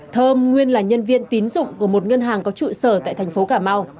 thơm nguyên là nhân viên tín dụng của một ngân hàng có trụ sở tại thành phố cà mau